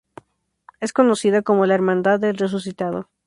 Es conocida como la Hermandad del Resucitado.